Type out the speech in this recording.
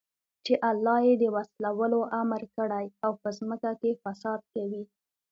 چې الله ئې د وصلَولو امر كړى او په زمكه كي فساد كوي